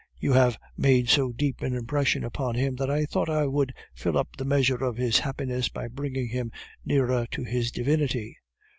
You have made so deep an impression upon him, that I thought I would fill up the measure of his happiness by bringing him nearer to his divinity."